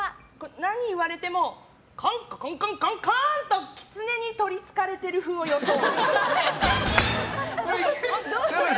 何言われてもコンココンコンコンコーン！とキツネに取りつかれている風を装う。